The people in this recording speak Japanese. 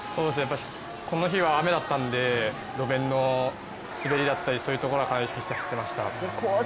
この日は雨だったんで、路面の滑りだったり、そういうところは意識して走ってました。